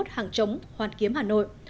hàng chống hoàn kiếm hà nội